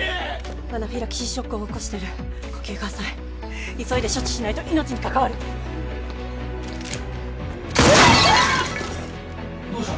アナフィラキシーショックを起こしてる呼吸が浅い急いで処置しないと命にかかわるどうした？